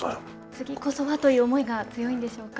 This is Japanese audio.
次こそはという思いが強いんでしょうか。